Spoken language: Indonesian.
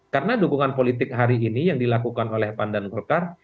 karena dukungan politik hari ini yang dilakukan oleh pandan golkar